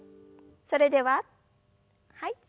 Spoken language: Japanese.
それでははい。